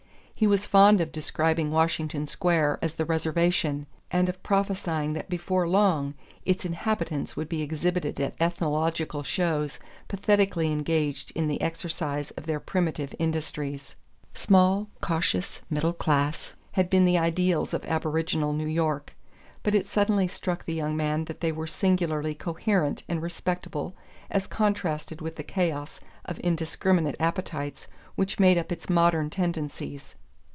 He was fond of describing Washington Square as the "Reservation," and of prophesying that before long its inhabitants would be exhibited at ethnological shows, pathetically engaged in the exercise of their primitive industries. Small, cautious, middle class, had been the ideals of aboriginal New York; but it suddenly struck the young man that they were singularly coherent and respectable as contrasted with the chaos of indiscriminate appetites which made up its modern tendencies.